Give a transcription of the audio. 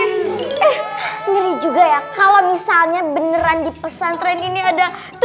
ngeri juga ya kalau misalnya beneran dipesan tren ini ada